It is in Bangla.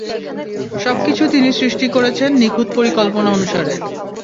সব কিছু তিনি সৃষ্টি করেছেন নিখুঁত পরিকল্পনা অনুসারে।